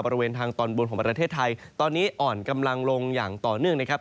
บริเวณทางตอนบนของประเทศไทยตอนนี้อ่อนกำลังลงอย่างต่อเนื่องนะครับ